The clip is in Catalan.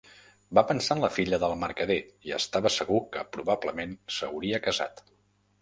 Va pensar en la filla del mercader, i estava segur que probablement s'hauria casat.